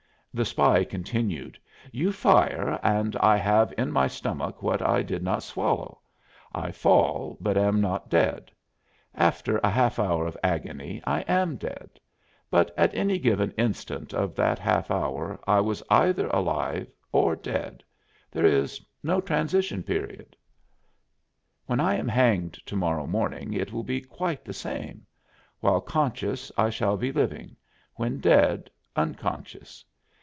The spy continued: "You fire, and I have in my stomach what I did not swallow. I fall, but am not dead. After a half hour of agony I am dead. But at any given instant of that half hour I was either alive or dead. There is no transition period. "When I am hanged to morrow morning it will be quite the same; while conscious I shall be living; when dead, unconscious.